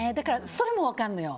それも分かるのよ。